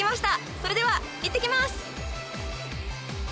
それではいってきます！